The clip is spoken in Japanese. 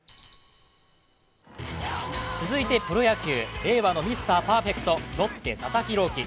続いてプロ野球令和のミスター・パーフェクトロッテ・佐々木朗希。